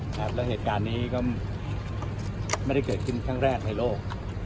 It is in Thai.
แล้วเหตุการณ์นี้ก็ไม่ได้เกิดขึ้นครั้งแรกในโลก